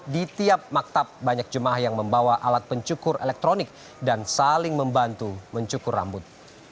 di tiap maktab banyak jemaah yang membawa alat pencukur elektronik dan saling membantu mencukur rambut